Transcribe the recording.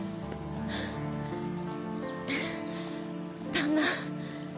旦那。